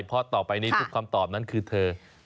เพราะต่อไปนี้ทุกคำตอบนั้นคือเธอ